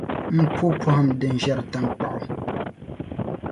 M po pɔhim din ʒiεri taŋkpaɣu